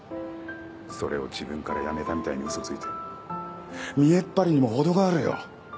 それを自分から辞めたみたいに嘘ついて見えっ張りにも程があるよ。